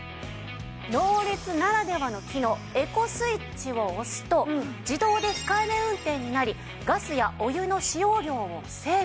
ノーリツならではの機能エコスイッチを押すと自動でひかえめ運転になりガスやお湯の使用量をセーブ。